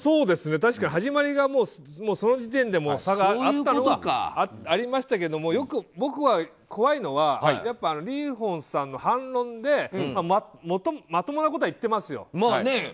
確かに始まりがもう、その時点で差がありましたけど僕は怖いのはリーホンさんの反論でまともなことは言ってますよ。